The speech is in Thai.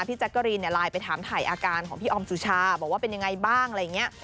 แจ๊กกะรีนไลน์ไปถามถ่ายอาการของพี่ออมสุชาบอกว่าเป็นยังไงบ้างอะไรอย่างนี้